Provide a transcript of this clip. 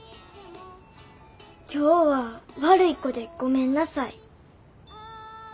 今日は悪い子でごめんなさい。